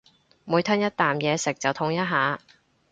每吞一啖嘢食就痛一下